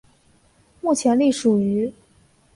目前隶属于。